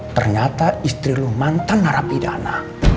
ternyata istri lu mantan narapidana